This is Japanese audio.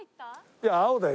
いや青だよ。